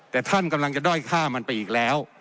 แต่ท่านกำลังจะด้อยฆ่ามันไปอีกแล้ว